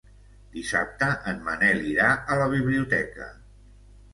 Dissabte en Manel irà a la biblioteca.